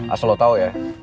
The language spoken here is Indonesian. asal lo tau ya